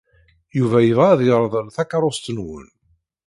Yuba yebɣa ad yerḍel takeṛṛust-nwen.